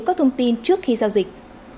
các thông tin trước khi giao dịch